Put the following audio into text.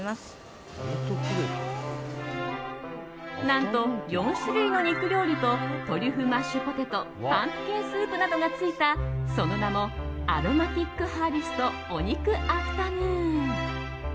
何と、４種類の肉料理とトリュフマッシュポテトパンプキンスープなどがついたその名もアロマティック・ハーベストお肉アフタヌーン。